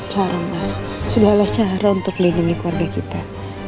kau ada di keluarga kita